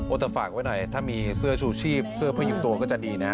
แต่ฝากไว้หน่อยถ้ามีเสื้อชูชีพเสื้อพยุงตัวก็จะดีนะ